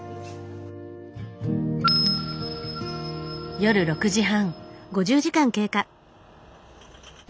夜６時半。